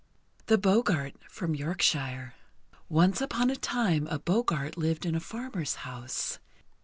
THE BOGGART From Yorkshire Once upon a time a Boggart lived in a farmer's house.